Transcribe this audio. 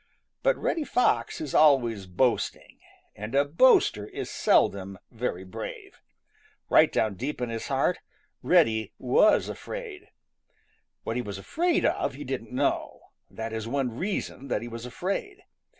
But Reddy Fox is always boasting, and a boaster is seldom very brave. Right down deep in his heart Reddy was afraid. What he was afraid of, he didn't know. That is one reason that he was afraid.